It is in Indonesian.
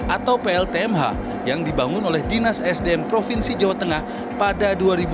atau pltmh yang dibangun oleh dinas sdm provinsi jawa tengah pada dua ribu dua puluh